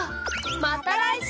また来週。